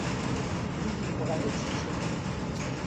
Wid yebɣan ad t-ččen.